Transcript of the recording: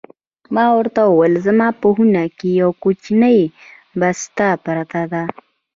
ما ورته وویل: زما په خونه کې یوه کوچنۍ بسته پرته ده.